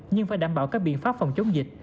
nhưng phải đảm bảo các biện pháp phòng chống dịch